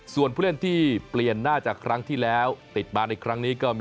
ส่วนผู้เล่นที่เปลี่ยนหน้าจากครั้งที่แล้วติดมาในครั้งนี้ก็มี